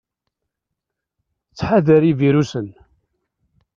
Ttḥadar ivirusen!